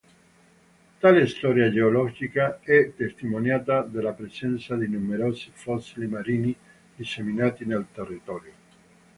Tale storia geologica è testimoniata dalla presenza di numerosi fossili marini disseminati nel territorio.